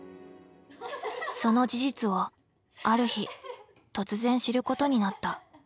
その事実をある日突然知ることになった。